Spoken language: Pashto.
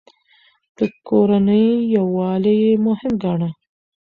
د کورنۍ يووالی يې مهم ګاڼه.